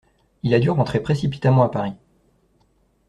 Il a dû rentrer précipitamment à Paris.